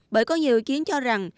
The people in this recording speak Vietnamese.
bởi có nhiều ý kiến cho rằng